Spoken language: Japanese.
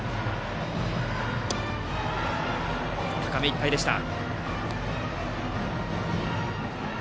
高めいっぱいでした。